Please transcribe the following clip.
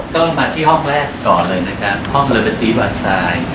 ก็มาที่ห้องแรกก่อนเลยนะครับห้องโรเบิร์ตตีวาทราย